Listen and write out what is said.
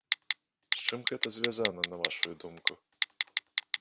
З чым гэта звязана на вашую думку?